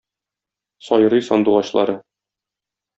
Сайрый сандугачлары.